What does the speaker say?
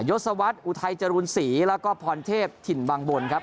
ศวรรษอุทัยจรูนศรีแล้วก็พรเทพถิ่นวังบนครับ